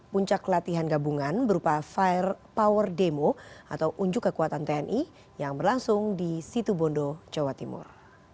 puncak latihan gabungan berupa fire power demo atau unjuk kekuatan tni yang berlangsung di situ bondo jawa timur